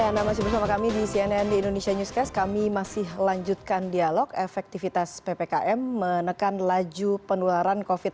anda masih bersama kami di cnn indonesia newscast kami masih lanjutkan dialog efektivitas ppkm menekan laju penularan covid sembilan belas